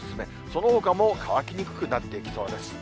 そのほかも乾きにくくなっていきそうです。